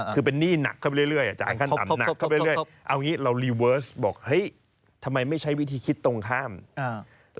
คือเป็นหนี้หนักเข้าไปเรื่อยจ่ายขั้นต่ำหนักเข้าไปเรื่อย